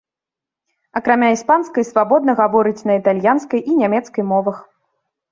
Акрамя іспанскай, свабодна гаворыць на італьянскай і нямецкай мовах.